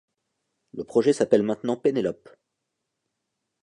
Le projet s'appelle maintenant Penelope.